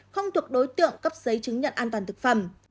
không thuộc đối tượng cấp giấy chứng nhận an toàn thực phẩm